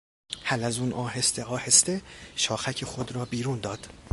حلزون آهسته آهسته شاخک خود را بیرون داد.